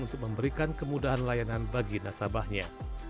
untuk memberikan kemudahan layanan bagi nasabahnya